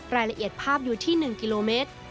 รายละเอียดภาพอยู่ที่๑กิโลเมตร